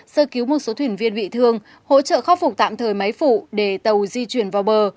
sơ cứu một số thuyền viên bị thương hỗ trợ khắc phục tạm thời máy phụ để tàu di chuyển vào bờ